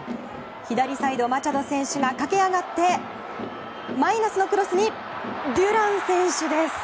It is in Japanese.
左サイドマチャド選手が駆け上がってマイナスのクロスにデュラン選手です！